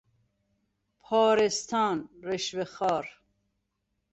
پارهستان، رشوهخوار